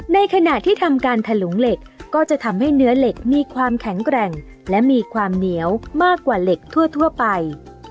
ในขณะที่ทำการถลุงเหล็กก็จะทำให้เนื้อเหล็กมีความแข็งแกร่งและมีความเหนียวมากกว่าเหล็กทั่วไป